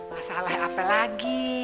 masalah apa lagi